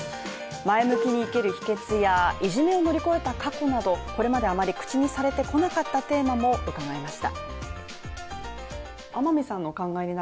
前向きに生きる秘訣や、いじめを乗り越えた過去など、これまであまり口にされてこなかったテーマも伺いました。